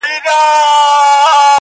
څۀ ترغونې د نماښامى څۀ د سحر خړه